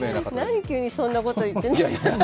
何、急にそんなことを言ってるんですか。